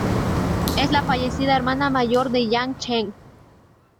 Es la fallecida hermana mayor de Jiang Cheng.